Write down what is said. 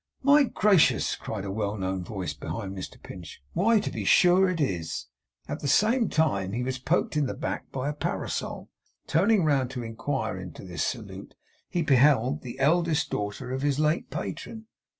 'My gracious!' cried a well known voice behind Mr Pinch. 'Why, to be sure it is!' At the same time he was poked in the back by a parasol. Turning round to inquire into this salute, he beheld the eldest daughter of his late patron.